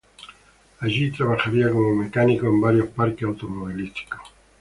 Allí trabajaría como mecánico en varios parques automovilísticos.